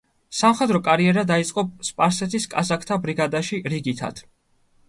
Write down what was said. სამხედრო კარიერა დაიწყო სპარსეთის კაზაკთა ბრიგადაში რიგითად.